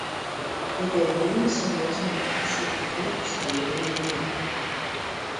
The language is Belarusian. Гэта вельмі сур'ёзныя прафесіяналы ў сваёй галіне.